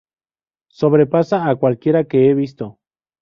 Sobrepasa a cualquiera que he visto.